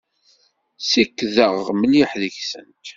Ssikkdeɣ mliḥ deg-sent.